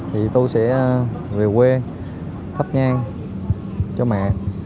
thì tôi sẽ về quê thấp nhan cho mẹ